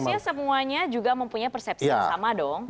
dan harusnya semuanya juga mempunyai persepsi yang sama dong